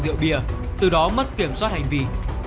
rượu bia từ đó mất kiểm soát hành vi